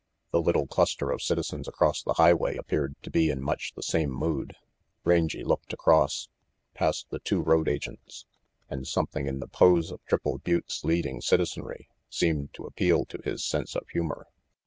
The little cluster of citizens across the highway appeared to be in much the same mood. Rangy looked across, past the two road agents, and some thing in the pose of Triple Butte's leading citizenry seemed to appeal to his sense of humor.